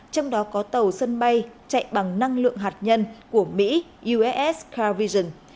trong đó có tàu sân bay chạy bằng năng lượng hạt nhân của mỹ u s car vision